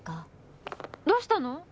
☎どうしたの？